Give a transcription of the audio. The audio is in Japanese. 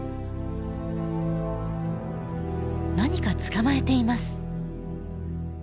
何か捕まえています。